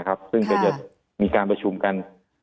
ซึ่งก็จะมีการประชุมกัน